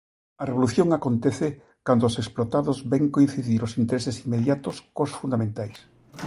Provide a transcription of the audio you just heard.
A revolución acontece cando os explotados ven coincidir os intereses inmediatos cos fundamentais.